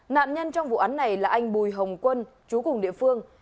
nạn nhân trong vụ án này là anh bùi hồng quân chú cùng địa phương